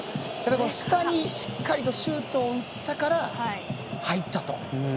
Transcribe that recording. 下にしっかりシュートを打ったから入ったと。